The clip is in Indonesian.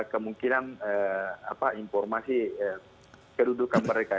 kemungkinan informasi kedudukan mereka